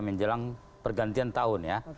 menjelang pergantian tahun ya